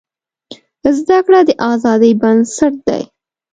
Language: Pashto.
زده کړه د ازادۍ بنسټ دی.